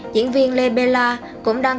diễn viên lê bê la cũng đăng